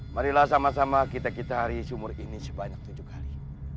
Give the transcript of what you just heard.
marilah sama sama kita kitaris umur ini sebanyak tujuh hari